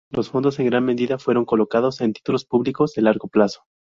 Los fondos en gran medida fueron colocados en títulos públicos de largo plazo.